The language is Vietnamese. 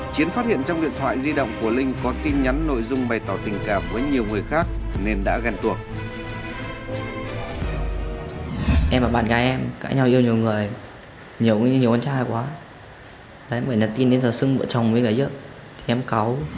chiến phát hiện trong điện thoại di động của linh có tin nhắn nội dung bày tỏ tình cảm với nhiều người khác nên đã ghen tuộc